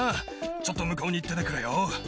ちょっと向こうに行っててくれよ。